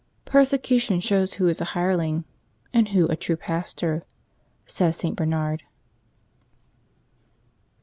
" Persecution shows who is a hireling, and who a true pastor," says St. Bernard.